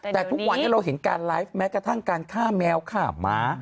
แต่ทุกวันนี้เราเห็นการไลฟ์แม้กระทั่งการฆ่าแมวฆ่าหมา